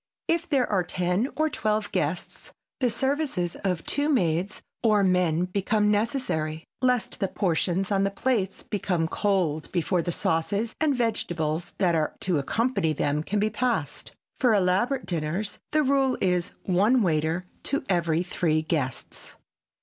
If there are ten or twelve guests the services of two maids or men become necessary, lest the portions on the plates become cold before the sauces and vegetables that are to accompany them can be passed. For elaborate dinners the rule is one waiter to every three guests.